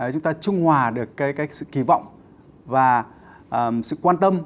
chúng ta trung hòa được sự kỳ vọng và sự quan tâm